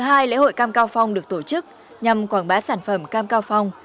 cây lễ hội cam cao phong được tổ chức nhằm quảng bá sản phẩm cam cao phong